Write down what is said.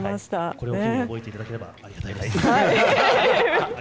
これを機に覚えていただければありがたいです。